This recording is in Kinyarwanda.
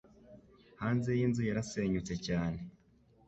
Hanze yinzu yarasenyutse cyane